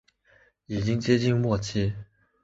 已经接近末期